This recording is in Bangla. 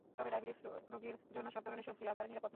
তবে ডায়াবেটিক রোগীর জন্য সব ধরনের সবজি আবার নিরাপদ নয়।